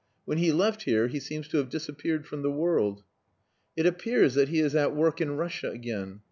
"When he left here he seems to have disappeared from the world." "It appears that he is at work in Russia again.